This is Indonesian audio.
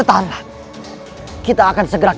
kau tebah aku akan menghabisimu